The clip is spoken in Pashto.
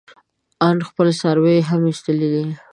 ان خپل څاروي يې هم ايستلي دي.